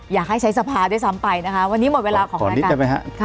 อยากให้ใช้สภาด้วยซ้ำไปนะคะวันนี้หมดเวลาขอนิดได้ไหมฮะ